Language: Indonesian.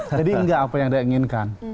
jadi enggak apa yang dia inginkan